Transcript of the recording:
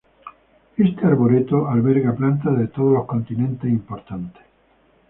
Este arboreto alberga plantas de todos los continentes importantes.